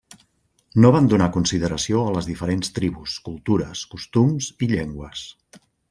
No van donar consideració a les diferents tribus, cultures, costums i llengües.